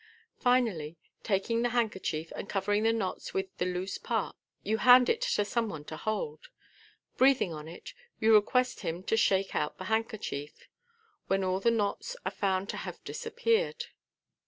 Finally, taking the handkerchief, and covering the knots with the loose part, you hand it to some one to hold. Breathing on it, you request him to shake out the handkerchief, when all the knots are Sound to have disappeared.